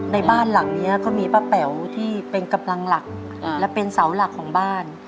ในบ้านหลังนี้ก็มีป้าแป๋วที่เป็นกำลังหลักและเป็นเสาหลักของบ้าน